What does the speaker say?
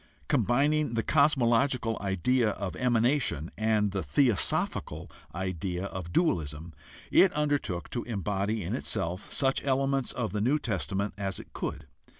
Combining the cos mological idea of emanation and the theosophical idea of dualism, it undertook to embody in itself such elements of the New Testament as it could.